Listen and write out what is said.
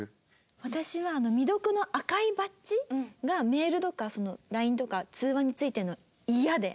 私は未読の赤いバッジがメールとかＬＩＮＥとか通話に付いてるのが嫌で。